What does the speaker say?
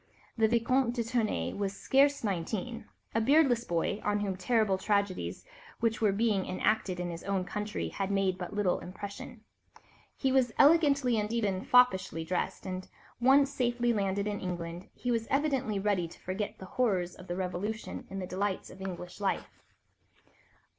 The Vicomte de Tournay was scarce nineteen, a beardless boy, on whom the terrible tragedies which were being enacted in his own country had made but little impression. He was elegantly and even foppishly dressed, and once safely landed in England he was evidently ready to forget the horrors of the Revolution in the delights of English life.